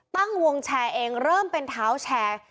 ตั้งวงแชร์เองเริ่มเป็นเท้าแชร์